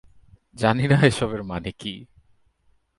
জানি না এসবের মানে কী।